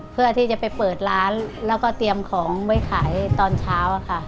เพื่อที่จะไปเปิดร้านแล้วก็เตรียมของไว้ขายตอนเช้าค่ะ